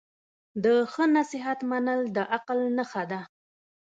د ښه نصیحت منل د عقل نښه ده.